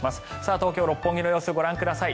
東京・六本木の様子ご覧ください。